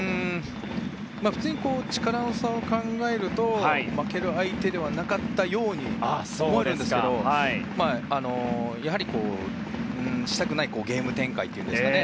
普通に力の差を考えると負ける相手ではなかったように思えるんですがやはり、したくないゲーム展開というんですかね。